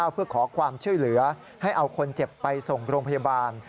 เพื่อขอความช่วยเหลือให้เอาคนเจ็บไปส่งโรงพยาบาล